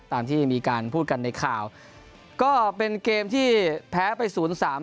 ตามที่มีการพูดกันในข่าวก็เป็นเกมที่แพ้ไปศูนย์สาม